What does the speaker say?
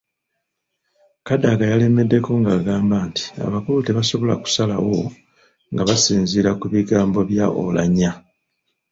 Kadaga yalemeddeko ng’agamba nti abakulu tebasobola kusalawo nga basinziira ku bigambo bya Oulanyah.